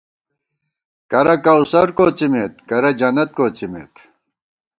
کرہ کوثر کوڅِمېت کرہ جنت کوڅِمېت